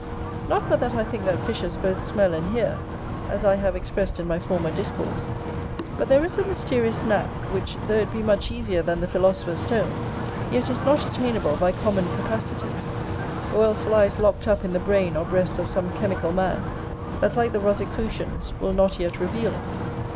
Not but that I think that fishes both smell and hear, as I have express in my former discourse: but there is a mysterious knack, which though it be much easier than the philosopher's stone, yet is not attainable by common capacities, or else lies locked up in the brain or breast of some chemical man, that, like the Rosicrucians, will not yet reveal it.